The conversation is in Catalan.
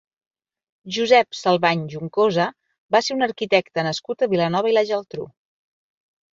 Josep Salvany Juncosa va ser un arquitecte nascut a Vilanova i la Geltrú.